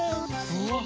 うわ！